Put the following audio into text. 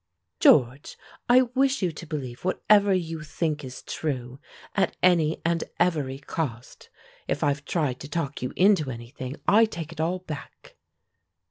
"George, I wish you to believe whatever you think is true, at any and every cost. If I've tried to talk you into anything, I take it all back."